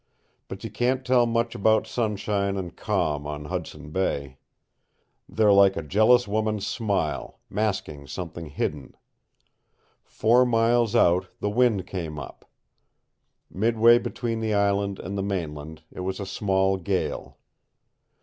But you can't tell much about sunshine and calm on Hudson Bay. They're like a jealous woman's smile, masking something hidden. Four miles out, the wind came up; midway between the island and the mainland, it was a small gale.